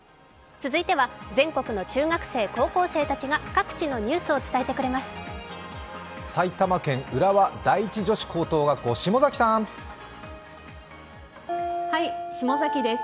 続いては全国の中学生、高校生たちが各地のニュースを伝えてくれます。